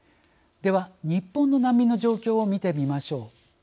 では、日本の難民の状況を見てみましょう。